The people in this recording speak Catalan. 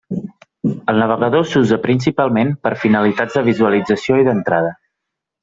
El navegador s'usa principalment per a finalitats de visualització i d'entrada.